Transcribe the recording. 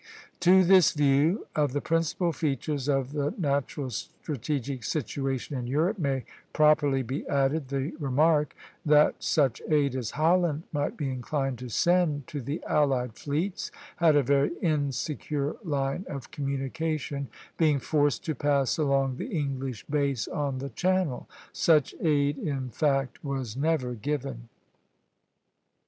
To this view of the principal features of the natural strategic situation in Europe may properly be added the remark, that such aid as Holland might be inclined to send to the allied fleets had a very insecure line of communication, being forced to pass along the English base on the Channel. Such aid in fact was never given.